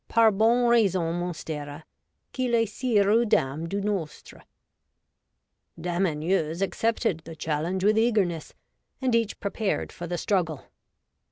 Par bone reson monsterra Qu'il est sire ou dame du nrstri .' Dame Anieuse accepted the challenge with eagerness, and each prepared for the struggle.